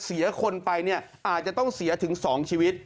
เสียคนไปเนี่ยอาจจะต้องเสียถึง๒ชีวิต